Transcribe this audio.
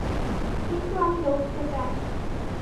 কিন্তু আমি লড়তে চাই।